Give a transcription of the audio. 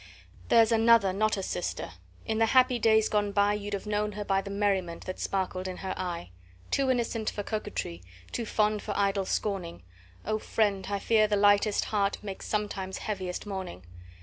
"There's another, not a sister: in the happy days gone by You'd have known her by the merriment that sparkled in her eye; Too innocent for coquetry, too fond for idle scorning, O friend! I fear the lightest heart makes sometimes heaviest mourning!